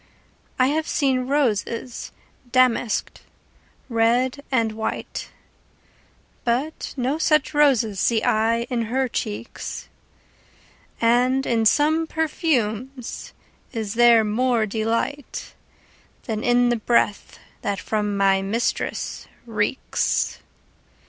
I have seen roses damask'd, red and white, But no such roses see I in her cheeks; And in some perfumes is there more delight Than in the breath that from my mistress reeks.